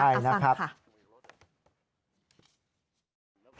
ใช่นะครับอัฟซังค่ะ